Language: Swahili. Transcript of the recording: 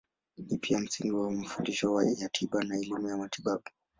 Ni pia msingi wa mafundisho ya tiba na elimu ya matibabu.